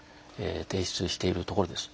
提出しているところです。